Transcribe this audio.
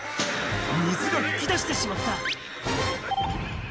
水が噴き出してしまった。